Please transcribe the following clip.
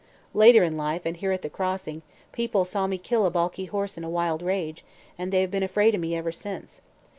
Later in life and here at the Crossing, people saw me kill a balky horse in a wild rage, and they have been afraid of me ever since.